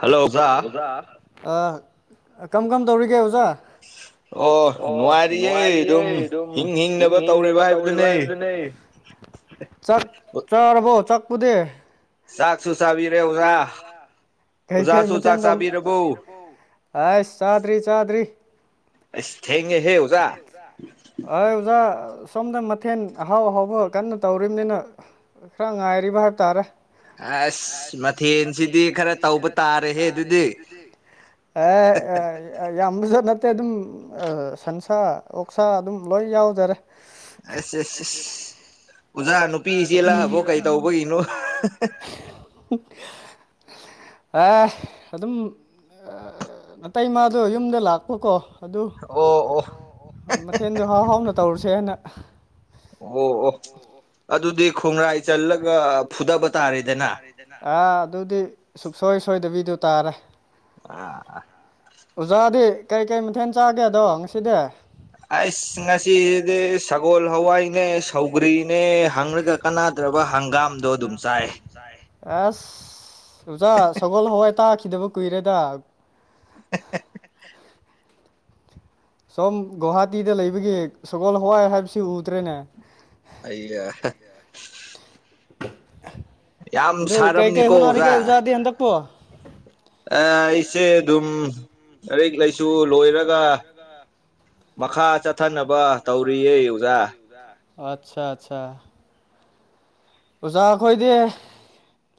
hello ꯑꯣꯖꯥ ꯑꯥ ꯀꯝ ꯀꯝ ꯇꯧꯔꯤꯒꯦ ꯑꯣꯖꯥ ꯑꯣ ꯅꯨꯡꯉꯥꯏꯔꯤꯌꯦ ꯑꯗꯨꯝ ꯍꯤꯡ ꯍꯤꯡꯅꯕ ꯇꯧꯔꯤꯕ ꯍꯥꯏꯕꯗꯨꯅꯦ ꯆꯥꯛ ꯆꯥꯔꯕꯣ ꯆꯥꯛꯄꯨꯗꯦ ꯆꯥꯛꯁꯨꯨ ꯆꯕꯤꯔꯦ ꯑꯣꯖꯥ ꯀꯩꯀꯩ ꯃꯊꯦꯜ ꯇꯧ ꯆꯥꯛ ꯆꯥꯕꯤꯔꯕꯣ ꯑꯁ ꯆꯥꯗ꯭ꯔꯤ ꯆꯥꯗ꯭ꯔꯤ ꯑꯁ ꯊꯦꯡꯉꯦꯍꯦ ꯑꯣꯖꯥ ꯑ ꯑꯣꯖꯥ ꯁꯣꯝꯗ ꯃꯊꯦꯟ ꯑꯍꯥꯎ ꯑꯍꯥꯎꯕ ꯀꯟꯅ ꯇꯧꯔꯤꯝꯅꯤꯅ ꯈꯔ ꯉꯥꯏꯔꯤꯕ ꯍꯥꯏꯕ ꯇꯥꯔꯦ ꯑꯁ ꯃꯊꯦꯜꯁꯤꯗꯤ ꯈꯔ ꯇꯧꯕ ꯇꯥꯔꯦꯍꯦ ꯑꯗꯨꯗꯤ ꯑꯥ ꯑꯦ ꯑ ꯌꯥꯝꯕꯁꯨ ꯅꯠꯇꯦ ꯑꯗꯨꯝ ꯁꯟꯁꯥ ꯑꯣꯛꯁꯥ ꯑꯗꯨꯝ ꯂꯣꯏ ꯌꯥꯎꯖꯔꯦ ꯑꯁ ꯑꯁ ꯑꯁ ꯑꯣꯖꯥ ꯅꯨꯄꯤ ꯆꯦꯜꯂꯛꯑꯕꯨ ꯀꯩꯇꯧꯕꯒꯤꯅꯣ [inaudible] ꯑꯥ ꯑꯗꯨꯝ ꯅꯇꯩꯃꯥꯗꯣ ꯌꯨꯝꯗ ꯂꯥꯛꯄꯀꯣ ꯑꯗꯨ ꯃꯊꯦꯜꯗꯣ ꯍꯥꯎ ꯍꯥꯎꯅ ꯇꯧꯔꯨꯁꯦ ꯍꯥꯏꯅ ꯑꯣ ꯑꯣ ꯑꯗꯨꯗꯤ ꯑꯗꯨꯗꯤ ꯈꯣꯡꯔꯥꯏ ꯆꯜꯂꯒ ꯐꯨꯗꯕ ꯇꯥꯔꯦꯗꯅ ꯑꯥ ꯑꯗꯨꯗꯤ ꯁꯨꯛꯁꯣꯏ ꯁꯣꯏꯗꯕꯤꯗꯨ ꯇꯥꯔꯦ ꯑꯥ ꯑꯣꯖꯥꯗꯤ ꯀꯩ ꯀꯩ ꯃꯊꯦꯜ ꯆꯥꯒꯦ ꯑꯗꯣ ꯉꯁꯤꯗꯤ ꯑꯁ ꯉꯁꯤꯁꯤꯗꯤ ꯁꯒꯣꯜ ꯍꯋꯥꯏꯅꯦ ꯁꯧꯒ꯭ꯔꯤꯅꯦ ꯍꯪꯔꯒ ꯀꯅꯥ ꯇ꯭ꯔꯕ ꯍꯪꯒꯥꯝꯗꯣ ꯑꯗꯨꯝ ꯆꯥꯏ ꯑꯁ ꯑꯣꯖꯥ ꯁꯒꯣꯜ ꯍꯋꯥꯏ ꯇꯥꯈꯤꯗꯕ ꯀꯨꯏꯔꯦꯗ [inaudible] ꯁꯣꯝ ꯒꯧꯍꯥꯇꯤꯗ ꯂꯩꯕꯒꯤ ꯁꯒꯣꯜ ꯍꯋꯥꯏ ꯍꯥꯏꯕꯁꯤ ꯎꯗ꯭ꯔꯦꯅꯦ ꯑꯩꯌꯥ ꯑꯗꯨ ꯀꯩꯀꯩ ꯍꯣꯠꯅꯔꯤꯒꯦ ꯑꯣꯖꯥꯗꯤ ꯍꯟꯗꯛꯄꯨ ꯑꯥ ꯑꯩꯁꯦ ꯑꯗꯨꯝ ꯂꯥꯏꯔꯤꯛ ꯂꯥꯏꯁꯨ ꯂꯣꯏꯔꯒ ꯃꯈꯥ ꯆꯠꯊꯅꯕ ꯇꯧꯔꯤꯌꯦ ꯑꯣꯖꯥ ꯑꯠꯁꯥ ꯑꯠꯁꯥ ꯑꯣꯖꯥ ꯈꯣꯏꯗꯤ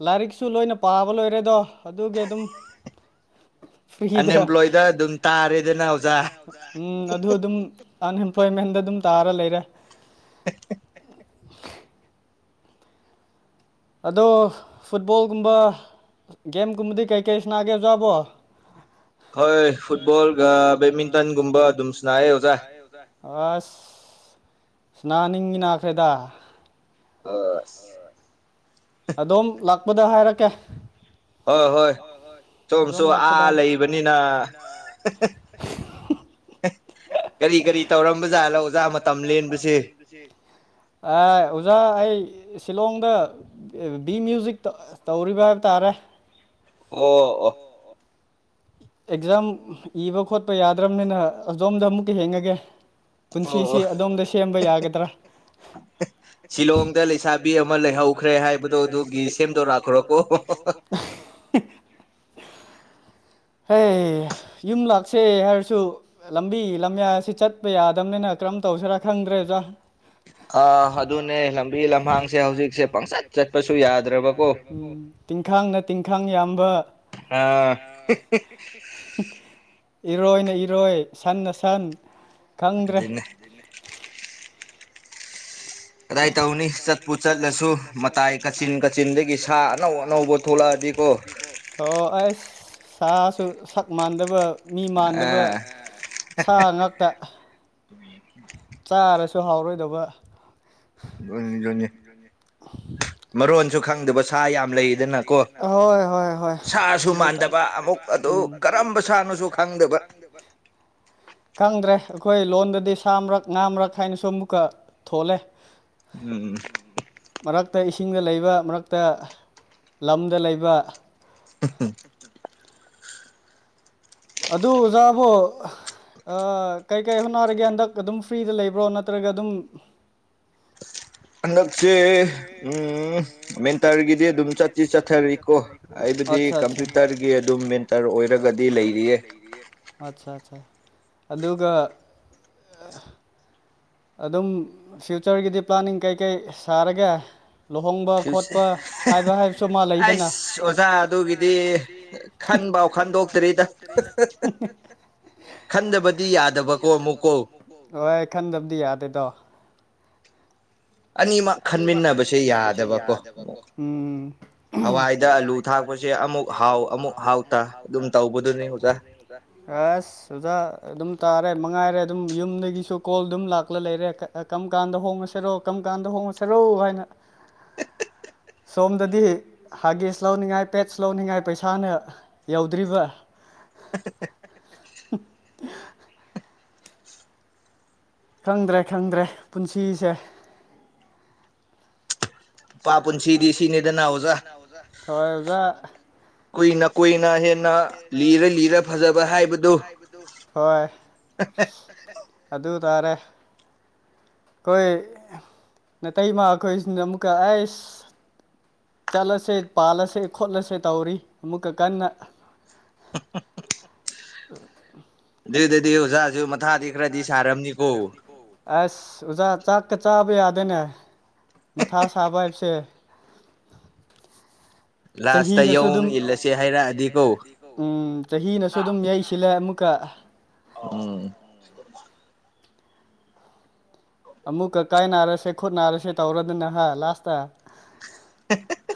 ꯂꯥꯏꯔꯤꯛꯁꯨ ꯂꯣꯏꯅ ꯄꯥꯕ ꯂꯣꯏꯔꯦꯗꯣ ꯑꯗꯨꯒꯤ ꯑꯗꯨꯝ [inaudible] [unintelligible] ꯎꯝ ꯑꯗꯨ ꯑꯗꯨꯝ ꯑꯟꯑꯦꯝꯄ꯭ꯂꯣꯏꯃꯦꯟꯗ ꯑꯗꯨꯝ ꯇꯔꯥ ꯂꯩꯔꯦ ꯑꯗꯣ ꯐꯨꯠꯕꯣꯜꯒꯨꯝꯕ ꯒꯦꯝ ꯀꯨꯝꯃꯗꯤ ꯀꯩ ꯀꯩ ꯁꯥꯟꯅꯒꯦ ꯑꯣꯖꯥꯕꯨ ꯍꯣꯏ ꯐꯨꯠꯕꯣꯜꯒ ꯕꯦꯠꯃꯤꯟꯇꯟꯒꯨꯝꯕ ꯑꯗꯨꯝ ꯁꯨꯅꯥꯏꯌꯦ ꯑꯣꯖꯥ ꯑꯁ ꯁꯅꯥꯅꯤꯡꯉꯤ ꯅꯥꯈ꯭ꯔꯦꯗ ꯑꯁ ꯑꯗꯣꯝ ꯂꯥꯛꯄꯗ ꯍꯥꯏꯔꯛꯀꯦ ꯍꯣꯏ ꯍꯣꯏ ꯁꯣꯝꯁꯨ ꯑꯥ ꯂꯩꯕꯅꯤꯅ [inaudible] ꯀꯔꯤ ꯀꯔꯤ ꯇꯧꯔꯝꯕ ꯖꯥꯠꯂꯣ ꯑꯣꯖꯥ ꯃꯇꯝ ꯂꯦꯟꯕꯁꯦ ꯑꯥ ꯑꯣꯖꯥ ꯑꯩ ꯁꯤꯂꯣꯡꯗ ꯑꯥ ꯕꯤ ꯃ꯭ꯌꯨꯖꯤꯛ ꯇ ꯇꯧꯔꯤꯕ ꯍꯥꯏꯕ ꯇꯥꯔꯦ ꯑꯣ ꯑꯣ ꯑꯦꯛꯖꯥꯝ ꯏꯕ ꯈꯣꯠꯄ ꯌꯥꯗ꯭ꯔꯕꯅꯤꯅ ꯑꯗꯣꯝꯗ ꯑꯃꯨꯛꯀ ꯍꯦꯡꯉꯒꯦ ꯄꯨꯟꯁꯤꯁꯦ ꯑꯗꯣꯝꯗ ꯁꯦꯝꯕ ꯌꯥꯒꯗ꯭ꯔꯥ ꯍ ꯁꯤꯂꯣꯡꯗ ꯂꯩꯁꯥꯕꯤ ꯑꯃ ꯂꯩꯍꯧꯈ꯭ꯔꯦ ꯍꯥꯏꯕꯗꯣ ꯑꯗꯨꯒꯤ ꯁꯦꯝꯗꯧꯔꯥꯕ꯭ꯔꯥ ꯀꯣ [inaudible] ꯍ ꯌꯨꯝ ꯂꯥꯛꯁꯦ ꯍꯥꯏꯔꯁꯨ ꯂꯝꯕꯤ ꯂꯝꯌꯥꯁꯤ ꯆꯠꯄ ꯌꯥꯗꯕꯅꯤꯅ ꯀꯔꯝ ꯇꯧꯁꯤꯔꯥ ꯈꯪꯗ꯭ꯔꯦꯗ ꯑꯥ ꯑꯗꯨꯅꯦ ꯂꯝꯕꯤ ꯂꯝꯍꯥꯡꯁꯦ ꯍꯧꯖꯤꯛꯁꯦ ꯄꯪꯆꯠ ꯆꯠꯄꯁꯨ ꯌꯥꯗ꯭ꯔꯕꯀꯣ ꯇꯤꯡꯈꯥꯡꯅ ꯇꯤꯡꯈꯥꯡ ꯌꯥꯝꯕ ꯑꯥ ꯍ ꯍ ꯏꯔꯣꯏꯅ ꯏꯔꯣꯏ ꯁꯟꯅ ꯁꯟ ꯈꯪꯗ꯭ꯔꯦ ꯀꯗꯥꯏ ꯇꯧꯅꯤ ꯆꯠꯄꯨ ꯆꯠꯂꯁꯨ ꯃꯇꯥꯏ ꯀꯥꯆꯤꯟ ꯀꯥꯆꯤꯟꯗꯒꯤ ꯁꯥ ꯑꯅꯧ ꯑꯅꯧꯕ ꯊꯣꯛꯂꯛꯑ ꯑꯣ ꯑꯁ ꯁꯥꯁꯨ ꯁꯛ ꯃꯥꯟꯗꯕ ꯃꯤ ꯃꯥꯟꯗꯕ ꯁꯥ ꯉꯥꯛꯇ ꯆꯥꯔꯁꯨ ꯍꯥꯎꯔꯣꯏꯗꯧꯕ ꯒꯅꯤ ꯒꯅꯤ ꯃꯔꯣꯟꯁꯨ ꯈꯪꯗꯕ ꯁꯥ ꯌꯥꯝ ꯂꯩꯗꯅꯀꯣ ꯁꯥꯁꯨ ꯃꯥꯟꯗꯕ ꯑꯃꯨꯛ ꯑꯗꯨ ꯀꯔꯝꯕ ꯁꯥꯅꯣꯁꯨ ꯈꯪꯗꯕ ꯀꯪꯗ꯭ꯔꯦ ꯑꯩꯈꯣꯏ ꯂꯣꯟꯗꯗꯤ ꯁꯥꯕ꯭ꯔꯛ ꯉꯥꯝꯕ꯭ꯔꯛ ꯍꯥꯏꯅꯁꯨ ꯑꯃꯨꯛꯀ ꯊꯣꯜꯂꯦ ꯎꯝ ꯃꯔꯛꯇ ꯏꯁꯤꯡꯗ ꯂꯩꯕ ꯃꯔꯛꯇ ꯂꯝꯗ ꯂꯩꯕ ꯍ ꯍ ꯑꯗꯨ ꯑꯣꯖꯥꯕꯣ ꯑꯥ ꯀꯩꯀꯩ ꯍꯣꯠꯅꯔꯤꯒꯦ ꯍꯟꯗꯛ ꯑꯗꯨꯝ ꯐ꯭ꯔꯤꯗ ꯂꯩꯕ꯭ꯔꯣ ꯅꯠꯇ꯭ꯔꯒ ꯑꯗꯨꯝ [inaudible] ꯍꯟꯗꯛꯁꯦ ꯎꯝ ꯃꯦꯟꯇꯔꯒꯤꯗꯤ ꯑꯗꯨꯝ ꯆꯠꯇꯤ ꯆꯠꯊꯔꯤꯀꯣ ꯍꯥꯏꯕꯗꯤ ꯀꯝꯄ꯭ꯌꯨꯇꯔꯒꯤ ꯑꯗꯨꯝ ꯃꯦꯟꯇꯔ ꯑꯣꯏꯔꯒꯗꯤ ꯂꯩꯔꯤ ꯑꯆꯥ ꯑꯆꯥ ꯑꯗꯨꯒ ꯑꯗꯨꯝ ꯐ꯭ꯌꯨꯆꯔꯒꯤꯗꯤ ꯄ꯭ꯂꯥꯅꯤꯡ ꯀꯩꯀꯩ ꯁꯥꯔꯒ ꯁ ꯑꯩꯁ ꯑꯣꯖꯥ ꯑꯗꯨꯒꯤꯗꯤ ꯈꯟ ꯕꯥꯎ ꯈꯟꯗꯣꯛ ꯇ꯭ꯔꯤꯗ ꯗ ꯍꯣꯏ ꯈꯟꯗꯕꯗꯤ ꯌꯥꯗꯦꯗꯣ ꯑꯅꯤꯃꯛ ꯈꯟꯃꯤꯟꯅꯕꯁꯦ ꯌꯥꯗꯕꯀꯣ ꯑꯃꯨꯛ ꯍꯋꯥꯏꯗ ꯑꯂꯨ ꯊꯥꯛꯄꯁꯦ ꯊꯛꯄꯁꯦ ꯑꯃꯨꯛ ꯍꯥꯎ ꯑꯃꯨꯛ ꯍꯎꯇꯥ ꯑꯗꯨꯝ ꯇꯧꯕꯗꯨꯅꯤ ꯑꯣꯖꯥ ꯑꯁ ꯑꯣꯖꯥ ꯑꯗꯨꯝ ꯇꯔꯦ ꯃꯉꯥꯏꯔꯦ ꯑꯗꯨꯝ ꯌꯨꯝꯗꯒꯤꯁꯨ ꯀꯣꯜ ꯑꯗꯨꯝ ꯂꯥꯛꯂ ꯂꯩꯔꯦ ꯀꯔꯝ ꯀꯥꯟꯗ ꯍꯣꯡꯉꯁꯤꯔꯣ ꯀꯝ ꯀꯥꯟꯗ ꯍꯣꯡꯉ ꯁꯔꯧ ꯍꯥꯏꯅ ꯍꯦ ꯍꯦ ꯁꯣꯝꯗꯗꯤ ꯍꯥꯒꯦꯁ ꯂꯧꯅꯤꯡꯉꯥꯏ ꯄꯦꯠꯁ ꯂꯧꯅꯤꯡꯉꯥꯏ ꯄꯩꯁꯥꯅ ꯌꯧꯗ꯭ꯔꯤꯕ ꯍꯨꯝ ꯍꯥ ꯈꯪꯗ꯭ꯔꯦ ꯈꯪꯗ꯭ꯔꯦ ꯄꯨꯟꯁꯤꯁꯦ ꯄ ꯄꯨꯟꯁꯤꯗꯤ ꯁꯤꯅꯤꯗꯅ ꯑꯣꯖ ꯍꯣꯏ ꯑꯣꯖꯥ ꯀꯨꯏꯅ ꯀꯨꯏꯅ ꯍꯦꯟꯅ ꯂꯤꯔ ꯂꯤꯔ ꯐꯖꯕ ꯍꯥꯏꯕꯗꯨ ꯍꯣꯏ ꯍꯦ ꯍꯦ ꯑꯗꯨ ꯇꯥꯔꯦ ꯀꯣꯏ ꯅꯇꯩꯃꯥ ꯑꯩꯈꯣꯏꯁꯨ ꯑꯃꯨꯛꯀꯥ ꯑꯁ ꯆꯠꯂꯁꯦ ꯄꯥꯜꯂꯁꯦ ꯈꯣꯠꯂꯁꯦ ꯇꯧꯔꯤ ꯑꯃꯨꯛꯀ ꯀꯟꯅ ꯍꯨꯝ ꯍꯨꯝ ꯍꯨꯝ [inaudible] ꯂꯩ ꯂꯩꯗ ꯁꯥꯖ ꯃꯊꯥꯔꯗꯤ ꯈꯔꯗꯤ ꯁꯥꯔꯝꯅꯤꯀꯣ ꯑꯁ ꯑ ꯑꯣꯖꯥ ꯆꯥꯛꯀ ꯆꯥꯕ ꯌꯥꯗꯦꯅꯦ ꯃꯊꯥ ꯁꯥꯕ ꯍꯥꯏꯕꯁꯦ ꯂꯥꯁꯇ ꯌꯧ ꯏꯜꯂꯁꯦ ꯍꯥꯏꯔꯛꯑꯗꯤꯀꯣ ꯎꯝ ꯆꯍꯤꯅꯁꯨ ꯑꯗꯨꯝ ꯌꯩꯁꯤꯜꯂꯦ ꯑꯃꯨꯛꯀ ꯎꯝ ꯑꯃꯨꯛꯀ ꯀꯥꯏ ꯅꯥꯔꯁꯦ ꯈꯨꯣꯠ ꯅꯥꯔꯁꯦ ꯇꯧꯔꯗꯅꯍ ꯂꯥꯁꯇ ꯍꯦ ꯍꯦ ꯍꯦ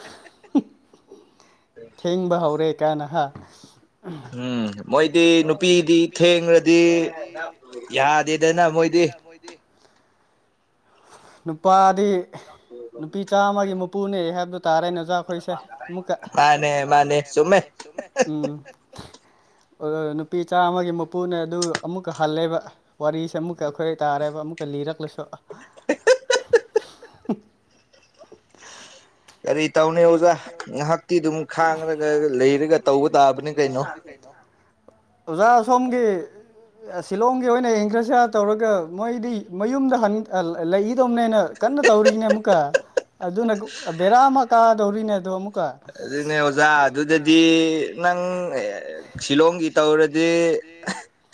ꯊꯦꯡꯕ ꯍꯧꯔꯦ ꯀꯥꯏꯅꯍ ꯎꯝ ꯃꯣꯏꯗꯤ ꯅꯨꯄꯤꯗꯤ ꯊꯦꯡꯡꯂꯗꯤ ꯌꯥꯗꯦꯗꯅ ꯃꯣꯏꯗꯤ ꯅꯨꯄꯥꯗꯤ ꯅꯨꯄꯤ ꯆꯥꯝꯃꯒꯤ ꯃꯄꯨꯅꯦ ꯍꯥꯏ ꯇꯥꯔꯦꯅ ꯑꯣꯖꯥ ꯑꯩꯈꯣꯏꯁꯦ ꯑꯃꯨꯛꯀꯃꯦ ꯎꯝ ꯃꯟꯅꯦ ꯃꯥꯟꯅꯦ ꯆꯨꯝꯃꯦ ꯎꯃ ꯑꯣ ꯑꯣꯏ ꯅꯨꯄꯤꯆꯥ ꯑꯃꯒꯤ ꯃꯄꯨꯅ ꯑꯗꯨ ꯑꯃꯨꯛꯀ ꯍꯜꯂꯦꯕ ꯋꯥꯔꯤꯁꯦ ꯑꯃꯨꯛꯀ ꯑꯩꯈꯣꯏ ꯇꯥꯔꯦꯕ ꯑꯃꯨꯛꯀ ꯂꯤꯔꯛꯂꯁꯨ ꯍꯦ ꯍꯦ ꯍꯦ ꯍꯦ ꯍꯦ ꯍꯦ ꯍꯨꯝ ꯀꯔꯤ ꯇꯧꯅꯤ ꯑꯣꯖꯥ ꯉꯥꯏꯍꯥꯛꯇꯤ ꯑꯗꯨꯝ ꯈꯥꯡꯔꯒ ꯂꯩꯔꯒ ꯇꯧꯕ ꯇꯥꯕꯅꯤ ꯀꯩꯅꯣ [inaudible] ꯑꯣꯖꯥ ꯑꯁꯣꯝꯒꯤ ꯁꯤꯂꯣꯡꯒꯤ ꯑꯣꯏꯅ ꯏꯪꯒ꯭ꯔꯖꯌꯥ ꯇꯧꯔꯒ ꯃꯣꯏꯗꯤ ꯃꯌꯨꯝꯗ ꯂꯩꯏꯗꯧꯅꯦꯅ ꯀꯟꯅ ꯇꯧꯔꯤꯅꯦ ꯑꯃꯨꯛꯀ ꯑꯗꯨꯅ ꯕꯦꯔꯥ ꯑꯃ ꯀꯥꯗꯧꯔꯤꯅꯦ ꯑꯗꯣ ꯑꯃꯨꯛ ꯑꯗꯨꯅꯦ ꯑꯣꯖꯥ ꯑꯗꯨꯗꯗꯤ ꯅꯪ ꯁꯤꯂꯣꯡꯒꯤ ꯇꯧꯔꯗꯤ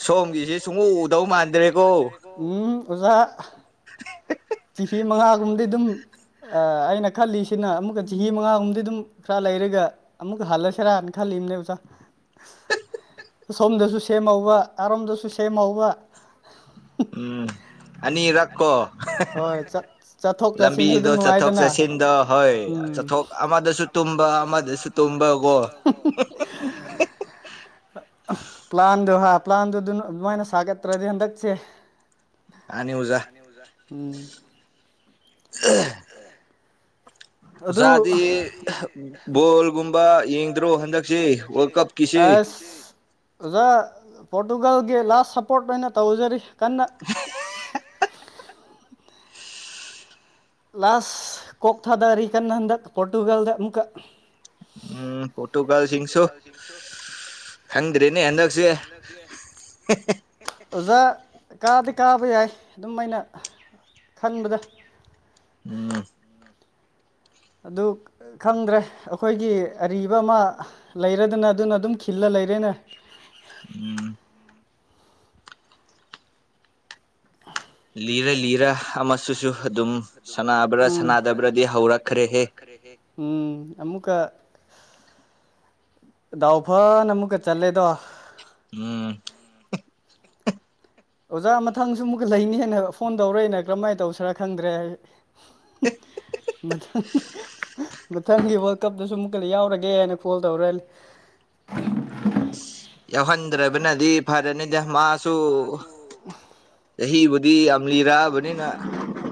ꯁꯣꯝꯒꯤꯁꯦ ꯁꯨꯡꯎ ꯎꯗꯧ ꯃꯥꯟꯗ꯭ꯔꯦꯀꯣ ꯑꯣꯖꯥ ꯍꯦ ꯍꯦ ꯆꯍꯤ ꯃꯉꯥꯒꯨꯝꯕꯗꯤ ꯑꯗꯨꯝ ꯑꯩꯅ ꯈꯜꯂꯤꯁꯤꯅ ꯑꯃꯨꯛꯀ ꯆꯍꯤ ꯃꯉꯥꯍꯨꯝꯗꯤ ꯑꯗꯨꯝ ꯈꯔ ꯂꯩꯔꯒ ꯑꯃꯨꯛꯀ ꯍꯜꯂꯁꯤꯔꯥꯅ ꯈꯜꯂꯤ ꯇꯤꯝ ꯂꯩꯕꯖꯥ ꯁꯣꯝꯗꯁꯨ ꯁꯦꯝꯍꯧꯕ ꯑꯔꯣꯝꯗꯁꯨ ꯁꯦꯝꯍꯧꯕ ꯎꯝ ꯑꯅꯤꯔꯛꯀꯦ ꯍꯥ ꯍꯥ ꯂꯝꯕꯤꯗꯣ ꯆꯠꯊꯣꯛ ꯆꯠꯁꯤꯟꯗ ꯍꯣꯏ ꯆꯠꯊꯣꯛ ꯑꯃꯗꯁꯨ ꯇꯨꯝ ꯑꯗꯨꯗꯁꯨ ꯇꯨꯝꯕ ꯑꯃꯗꯁꯨ ꯇꯨꯝꯕ ꯍꯨꯝ ꯍꯨꯝ ꯄ꯭ꯂꯥꯟꯗꯣ ꯍꯥ ꯄ꯭ꯂꯥꯟꯗꯨ ꯑꯗꯨꯃꯥꯏꯅ ꯁꯥꯒꯠꯇ꯭ꯔꯗꯤ ꯍꯟꯗꯛꯁꯦ ꯑꯅꯤ ꯎꯖꯥ ꯎꯝ ꯍꯍ [inaudible] ꯑꯣꯖꯥꯗꯤ ꯕꯣꯜꯒꯨꯝꯕ ꯌꯦꯡꯗ꯭ꯔꯣ ꯍꯟꯗꯛꯁꯦ ꯋꯥꯔꯜ ꯀꯞꯀꯤꯁꯦ ꯎꯝ ꯑꯣꯖꯥ ꯄꯣꯔꯇꯨꯒꯜꯒꯤ ꯂꯥꯁ ꯁꯞꯄꯣꯔꯠ ꯑꯣꯏꯅ ꯇꯧꯖꯔꯤ ꯀꯟꯅ ꯂꯥꯁ ꯀꯣꯛ ꯊꯥꯗꯔꯤ ꯀꯟꯅ ꯍꯟꯗꯛ ꯄꯣꯔꯇꯨꯒꯜꯗ ꯑꯃꯨꯛꯀ ꯎꯝ ꯄꯣꯇꯨꯒꯜ ꯁꯤꯁꯨ ꯍꯪꯗ꯭ꯔꯤꯅꯦ ꯍꯟꯗꯛꯁꯦ ꯑꯣꯖꯥ ꯀꯥꯗꯤ ꯀꯥꯕ ꯌꯥꯏ ꯑꯗꯨꯝ ꯑꯩꯅ ꯈꯟꯕꯗ ꯎꯝ ꯑꯗꯨ ꯈꯪꯗ꯭ꯔꯦ ꯑꯩꯈꯣꯏꯒꯤ ꯑꯔꯤꯕ ꯑꯃ ꯂꯩꯔꯗꯅ ꯑꯗꯨꯅ ꯑꯗꯨꯝ ꯈꯤꯜꯂ ꯂꯩ ꯂꯩꯔꯦꯅꯦ ꯎꯝ ꯂꯤꯔꯥ ꯂꯤꯔꯥ ꯑꯃꯁꯨꯁꯨ ꯑꯗꯨꯝ ꯁꯥꯟꯅꯕ꯭ꯔ ꯁꯥꯟꯅꯗꯕ꯭ꯔꯗꯤ ꯍꯧꯔꯛꯈ꯭ꯔꯦꯍꯦꯛ ꯑꯃꯨꯛꯀ ꯗꯥꯎ ꯐꯅ ꯑꯃꯨꯛꯀ ꯆꯠꯂꯦꯗꯣ ꯎꯝ ꯑꯣꯖꯥ ꯃꯊꯪꯁꯨ ꯑꯃꯨꯛꯀ ꯂꯤꯅꯤ ꯍꯥꯏꯅ ꯐꯣꯟ ꯇꯧꯔꯛꯑꯦꯅ ꯀꯔꯝꯃꯥꯏꯅ ꯇꯧꯁꯤꯔꯥ ꯈꯪꯗ꯭ꯔꯦ ꯃꯊꯪ ꯃꯊꯪꯒꯤ ꯋꯥꯔꯜ ꯀꯞꯇꯁꯨ ꯑꯃꯨꯛꯀ ꯌꯥꯎꯔꯒꯦ ꯍꯥꯏꯅ ꯐꯣꯜ ꯇꯧꯔꯛꯑꯦ [unintelligible] ꯌꯥꯎꯍꯟꯗ꯭ꯔꯕꯅꯗꯤ ꯐꯔꯅꯤꯗ ꯃꯥꯁꯨ ꯆꯍꯤꯕꯨꯗꯤ ꯌꯥꯝ ꯂꯤꯔꯛꯑꯕꯅꯤꯅ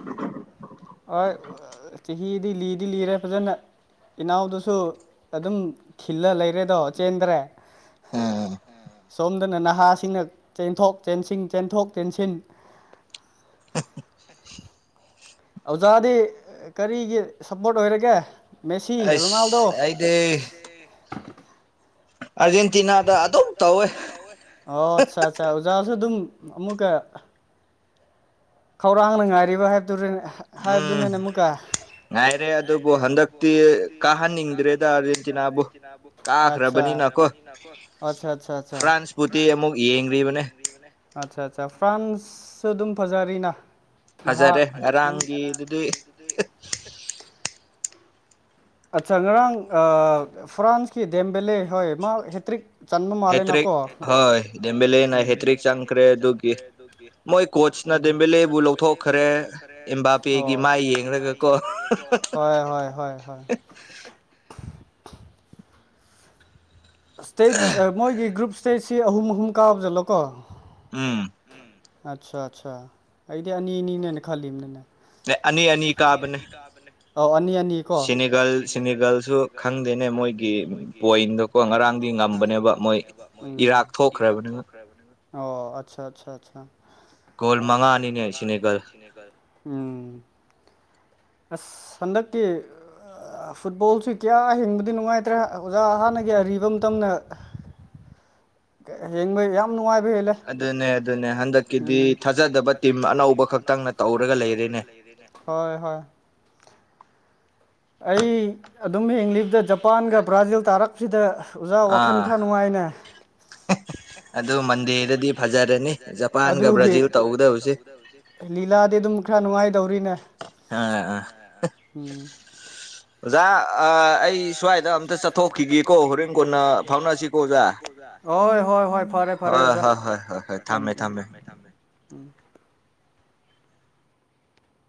ꯍꯣꯏ ꯆꯍꯤꯗꯤ ꯂꯤꯗꯤ ꯂꯤꯔꯦ ꯐꯖꯅ ꯏꯅꯥꯎꯗꯨꯁꯨ ꯑꯗꯨꯝ ꯈꯤꯜꯂ ꯂꯩꯔꯦꯗꯣ ꯆꯦꯟꯗ꯭ꯔꯦ ꯎꯝ ꯁꯣꯝꯗꯅ ꯅꯍꯥꯁꯤꯡꯅ ꯆꯦꯟꯊꯣꯛ ꯆꯦꯟꯁꯤꯟ ꯆꯦꯟꯊꯣꯛ ꯆꯦꯟꯁꯤꯟ ꯍꯝ ꯑꯣꯖꯥꯗꯤ ꯀꯔꯤꯒꯤ ꯁꯞꯄꯣꯔꯠ ꯑꯣꯏꯔꯒꯦ ꯃꯦꯁꯤ ꯔꯣꯅꯥꯜꯗꯣ ꯑꯩꯁꯦ ꯑꯥꯔꯖꯦꯟꯇꯤꯅꯥꯗ ꯑꯗꯨꯝ ꯇꯧꯋꯦ ꯑꯣ ꯁꯥ ꯁꯥ ꯑꯣꯖꯥ ꯁꯨ ꯑꯗꯨꯝ ꯑꯃꯨꯛꯀ ꯈꯧꯔꯥꯡꯅ ꯉꯥꯏꯔꯤꯕ ꯍꯥꯏꯕꯗꯨꯅꯦ ꯍꯥꯏꯕꯗꯨꯅꯤꯅꯦ ꯃꯨꯛꯀꯥ ꯉꯥꯏꯔꯦ ꯑꯗꯨꯕꯨ ꯍꯟꯗꯛꯇꯤ ꯀꯥꯍꯟꯅꯤꯡꯗ꯭ꯔꯦꯗ ꯑꯥꯔꯖꯦꯟꯇꯤꯅꯥꯕꯨ ꯀꯥꯗ꯭ꯔꯕꯗꯤ ꯀꯥꯗ꯭ꯔꯕꯅꯤꯅꯀꯣ ꯑꯁꯥꯁꯥꯁꯥ ꯐ꯭ꯔꯥꯟꯁꯄꯨꯗꯤ ꯑꯃꯨꯛ ꯌꯦꯡꯂꯤꯕꯅꯦ ꯑꯁꯥꯁꯥ ꯐ꯭ꯔꯥ ꯐ꯭ꯔꯥꯟꯁ ꯁꯨꯗꯝ ꯐꯖꯔꯤꯅꯥ ꯅꯍꯥ ꯉꯔꯥꯡꯒꯤꯗꯨꯗꯤ ꯑꯠꯆꯥ ꯉꯔꯥꯡ ꯐ꯭ꯔꯥꯟꯁꯀꯤ ꯗꯦꯝꯕꯦꯂꯦ ꯍꯣꯏ ꯃꯥ ꯍꯦꯇ꯭ꯔꯤꯛ ꯆꯟꯕ ꯃꯥ ꯃꯥꯂꯦꯅꯀꯣ ꯍꯦꯇ꯭ꯔꯤꯛ ꯍꯣꯢ ꯗꯦꯝꯕꯦꯂꯦꯅ ꯍꯦꯇ꯭ꯔꯤꯛ ꯆꯟꯈ꯭ꯔꯦ ꯑꯗꯨꯒꯤ ꯃꯣꯏ ꯀꯣꯆꯁꯅ ꯗꯦꯝꯕꯦꯂꯦꯕꯨ ꯂꯧꯊꯣꯛꯈ꯭ꯔꯦ ꯑꯣ ꯑꯦꯝꯕꯥꯄꯦ ꯃꯥꯢ ꯌꯦꯡꯂꯒꯀꯣ ꯍꯣꯢ ꯍ ꯍꯣꯏ ꯍꯣꯏ ꯏꯁꯇꯦꯠ ꯃꯣꯏꯒꯤ ꯒ꯭ꯔꯨꯞ ꯏꯁꯇꯦꯖꯁꯤ ꯑꯍꯨꯝ ꯑꯍꯨꯝ ꯀꯥꯕꯖꯥꯠꯂꯣ ꯀꯣ ꯑꯆꯥ ꯑꯆꯥ ꯑꯩꯗꯤ ꯑꯅꯤ ꯑꯅꯤꯅꯦꯅꯦ ꯈꯂꯤꯝꯅꯤꯅꯦ ꯑꯅꯤ ꯑꯅꯤ ꯀꯥꯕꯅꯦ ꯑꯧ ꯑꯅꯤ ꯑꯅꯤ ꯀꯣ ꯁꯤꯅꯤꯒꯜ ꯁꯤꯅꯤꯒꯜꯁꯨ ꯈꯪꯗꯦꯅꯦ ꯃꯣꯏꯒꯤ ꯄꯣꯢꯟꯗꯣꯀꯣ ꯉꯔꯥꯡꯗꯤ ꯉꯝꯕꯅꯦꯕ ꯃꯣꯢ ꯏꯔꯥꯛ ꯊꯣꯛꯈ꯭ꯔꯕꯅꯦꯕ ꯑꯣ ꯑꯠꯆꯥ ꯑꯁꯥ ꯑꯁꯥ ꯒꯣꯜ ꯃꯉꯥꯅꯤꯅꯦ ꯁꯦꯅꯦꯒꯜ ꯎꯝꯝꯝ ꯑꯁ ꯍꯟꯗꯛꯀꯤ ꯐꯨꯠꯕꯣꯜꯁꯤ ꯀꯌꯥ ꯌꯦꯡꯕꯗꯤ ꯅꯨꯡꯉꯥꯏꯇ꯭ꯔꯦ ꯑꯣꯖꯥ ꯍꯥꯟꯅꯒꯤ ꯑꯔꯤꯕ ꯃꯇꯝꯅ [inaudible] [unintelligible] ꯌꯦꯡꯕ ꯌꯥꯝ ꯅꯨꯡꯉꯥꯏ ꯂꯣꯏ ꯍꯦꯜꯂꯦ ꯑꯗꯨꯅꯦ ꯑꯗꯨꯅꯦ ꯍꯟꯗꯛꯀꯤꯗꯤ ꯊꯥꯖꯗꯕ ꯇꯤꯝ ꯑꯅꯧꯕ ꯈꯛꯇꯪꯅ ꯇꯧꯔꯒ ꯂꯩ ꯍꯣꯏ ꯍꯣꯏ [inaudible] ꯑꯩ ꯑꯗꯨꯝ ꯍꯤꯡꯂꯤꯗ ꯖꯄꯥꯟꯒ ꯕ꯭ꯔꯥꯖꯤꯜ ꯇꯥꯔꯛꯄꯁꯤꯗ ꯑꯣꯖꯥ ꯋꯥꯈꯜ ꯈꯔ ꯅꯨꯡꯉꯥꯏꯅꯦ [unintelligible] ꯑꯗꯣ ꯃꯟꯗꯦꯗꯗꯤ ꯐꯖꯔꯅꯤ ꯑꯗꯨꯒꯤ ꯖꯄꯥꯟꯒ ꯕ꯭ꯔꯥꯖꯤꯜꯒ ꯇꯧꯒꯗꯕꯁꯦ ꯂꯤꯂꯥꯗꯤ ꯑꯗꯨꯝ ꯈꯔ ꯅꯨꯡꯉꯥꯏꯗꯧꯔꯤꯅꯦ ꯎꯝ [unintelligible] ꯑꯣꯖꯥ ꯑꯩ ꯁ꯭ꯋꯥꯏꯗ ꯑꯝꯇ ꯆꯠꯊꯣꯛꯈꯤꯒꯦꯀꯣ ꯍꯣꯔꯦꯟ ꯀꯣꯟꯅ ꯐꯥꯎꯅꯁꯤꯀꯣ ꯑꯣꯖꯥ ꯍꯣꯏ ꯍꯣꯏ ꯍꯣꯏ ꯐꯔꯦ ꯐꯔꯦ ꯑꯣꯖꯥ ꯍꯣꯏ ꯍꯣꯏ ꯎꯝ ꯊꯝꯃꯦ ꯊꯝꯃꯦ ꯎꯝ